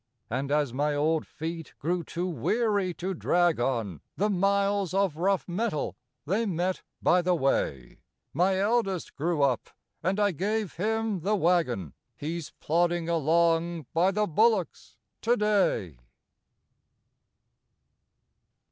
And as my old feet grew too weary to drag on The miles of rough metal they met by the way, My eldest grew up and I gave him the waggon He's plodding along by the bullocks to day.